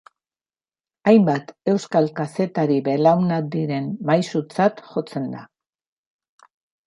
Hainbat euskal kazetari-belaunaldiren maisutzat jotzen da.